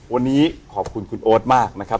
วันนี้ขอบคุณคุณโอ๊ตมากนะครับ